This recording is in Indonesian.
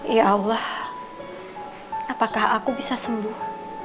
ya allah apakah aku bisa sembuh